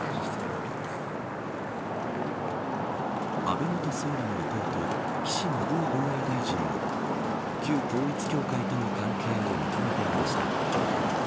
安倍元総理の弟岸信夫防衛大臣も旧統一教会との関係を認めていました。